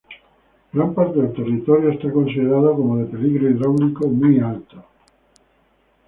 Gran parte del territorio es considerado como de Peligro hidráulico muy alto.